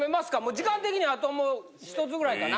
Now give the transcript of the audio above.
時間的にはあともう１つぐらいかな。